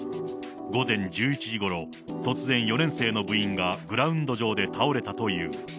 午前１１時ごろ、突然、４年生の部員がグラウンド場で倒れたという。